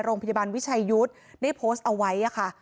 โรงพยาบาลวิชัยยุทธ์ได้โพสต์เอาไว้ค่ะ